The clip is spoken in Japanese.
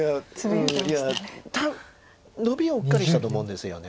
いや多分ノビをうっかりしたと思うんですよね。